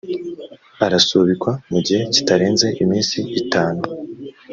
arasubikwa mu gihe kitarenze iminsi itanu